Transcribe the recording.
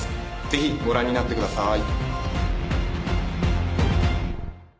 ぜひご覧になってください。